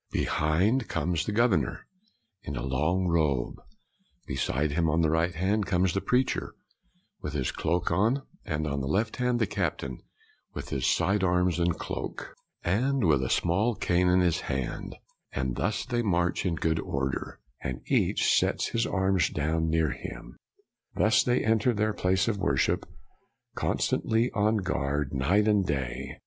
Be hind comes the governor, in a long robe; beside him, on the right hand, comes the preacher, with his cloak on, and on the left hand, the captain, with his side arms and cloak, and with a small cane in his hand; and thus they march in good order, and each sets his arms down near him. Thus they enter their place of worship, constantly on their guard, night and day."